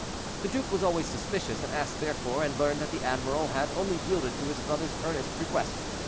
The duke was always suspicious, and asked, therefore, and learned that the admiral had only yielded to his brother's earnest request.